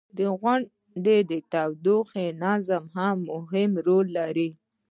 • غونډۍ د تودوخې تنظیم کې مهم رول لري.